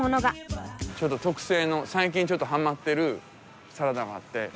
特製の最近ちょっとはまってるサラダがあって。